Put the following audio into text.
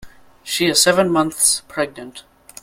She is seven months pregnant.